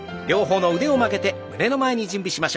両方の腕を曲げて胸の前に。